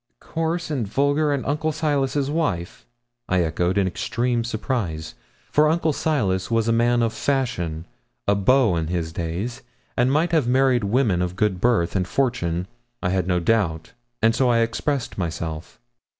'Coarse and vulgar, and Uncle Silas's wife!' I echoed in extreme surprise, for Uncle Silas was a man of fashion a beau in his day and might have married women of good birth and fortune, I had no doubt, and so I expressed myself.